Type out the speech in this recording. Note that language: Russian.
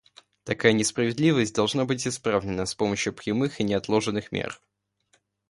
Такая несправедливость должна быть исправлена с помощью прямых и неотложных мер.